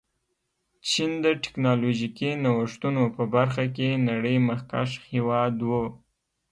چین د ټکنالوژيکي نوښتونو په برخه کې نړۍ مخکښ هېواد و.